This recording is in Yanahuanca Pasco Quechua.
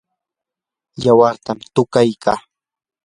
yawartam tuqaykaa.